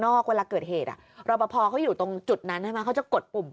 นอกเวลาเกิดเหตุแล้วพอเขาอยู่ตรงจุดนั่นเขาจะกดปุ่ม